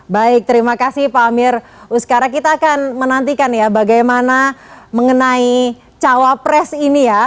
baik terima kasih pak amir uskara kita akan menantikan ya bagaimana mengenai cawapres ini ya